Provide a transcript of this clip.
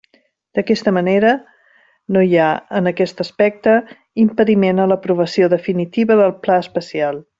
D'aquesta manera, no hi ha, en aquest aspecte, impediment a l'aprovació definitiva del pla especial.